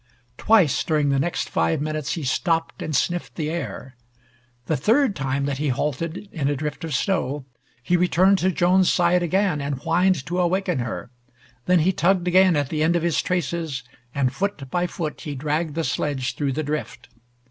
Twice during the next five minutes he stopped and sniffed the air. The third time that he halted, in a drift of snow, he returned to Joan's side again, and whined to awaken her. Then he tugged again at the end of his traces, and foot by foot he dragged the sledge through the drift.